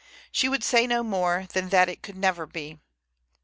She would say no more than that it could never be.